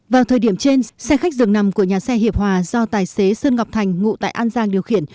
vào thời điểm trên xe khách dường nằm của nhà xe hiệp hòa do tài xế sơn ngọc thành ngụ tại an giang điều khiển